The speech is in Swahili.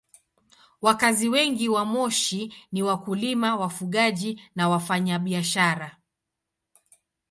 Wakazi wengi wa Moshi ni wakulima, wafugaji na wafanyabiashara.